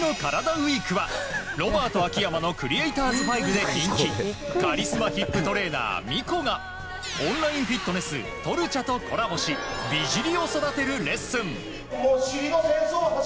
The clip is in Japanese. ＷＥＥＫはロバート秋山のクリエイターズ・ファイルで人気カリスマヒップトレーナーＭＩＣＯがオンラインフィットネストルチャとコラボし美尻を育てるレッスン。